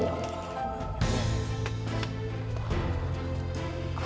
tidak ada apa apa